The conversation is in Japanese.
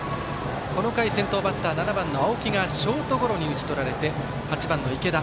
この回先頭バッター７番の青木がショートゴロに打ち取られて８番の池田。